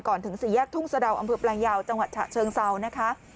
ถึงสี่แยกทุ่งสะดาวอำเภอแปลงยาวจังหวัดฉะเชิงเซานะคะ